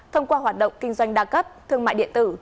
thông qua hoạt động kinh doanh đa cấp thương mại điện tử